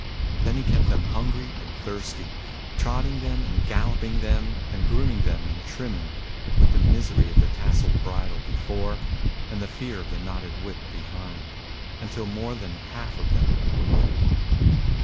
Then he kept them hungry and thirsty, trotting them and galloping them, and grooming, and trimming, with the misery of the tasselled bridle before and the fear of the knotted whip behind, until more than half of them were dead.